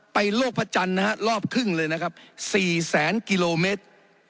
โลกพระจันทร์นะฮะรอบครึ่งเลยนะครับ๔แสนกิโลเมตร